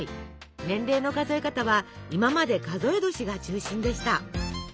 年齢の数え方は今まで数え年が中心でした。